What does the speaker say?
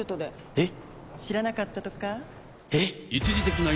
えっ⁉